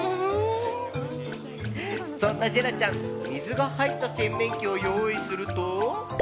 そんなジェラちゃん水が入った洗面器を用意すると。